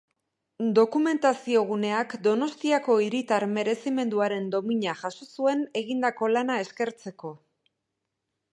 Dokumentazioguneak Donostiako Hiritar Merezimenduaren Domina jaso zuen egindako lana eskertzeko.